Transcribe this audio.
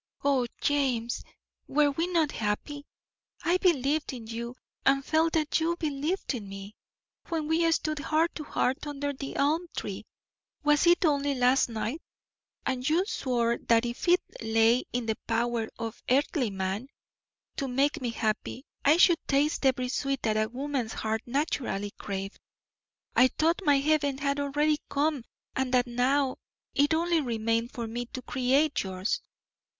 O James, were we not happy! I believed in you and felt that you believed in me. When we stood heart to heart under the elm tree (was it only last night?) and you swore that if it lay in the power of earthly man to make me happy, I should taste every sweet that a woman's heart naturally craved, I thought my heaven had already come and that now it only remained for me to create yours.